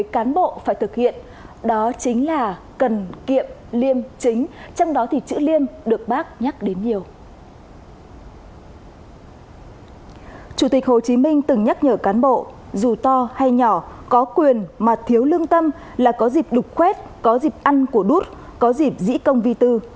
chủ tịch hồ chí minh từng nhắc nhở cán bộ dù to hay nhỏ có quyền mà thiếu lương tâm là có dịp đục khoét có dịp ăn của đút có dịp dĩ công vi tư